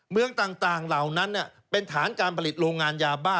เมืองต่างเหล่านั้นเป็นฐานการผลิตโรงงานยาบ้า